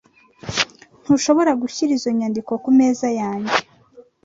Ntushobora gushyira izo nyandiko kumeza yanjye?